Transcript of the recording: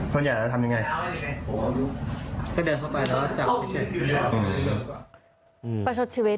ส่วนใหญ่เราจะทำยังไงถ้าเดินเข้าไปแล้วจับไม่ใช่อืม